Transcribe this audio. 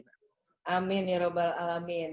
amin ya rabbal alamin